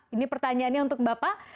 ini pertanyaannya untuk bapak